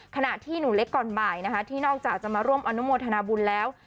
ขณะที่หนูเล็กก่อนบ่ายนะคะที่นอกจากจะมาร่วมอนุโมทนาบุญแล้ว